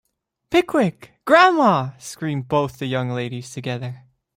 Pickwick, grandma!’ screamed both the young ladies together.